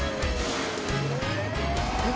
えっ？